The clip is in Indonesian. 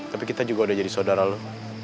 tapi kita juga udah jadi saudara loh